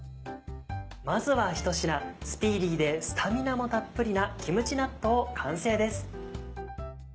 まずは一品スピーディーでスタミナもたっぷりな「キムチ納豆」完成です。